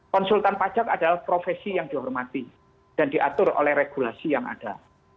konsultan pajak adalah profesi yang dihormati dan diatur oleh regulasi yang ada